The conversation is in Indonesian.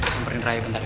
sampai raya bentar ya